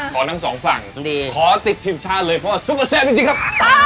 ของทั้งสองฝั่งขอติดทีมชาติเลยเพราะว่าซุปเปอร์เซฟจริงครับ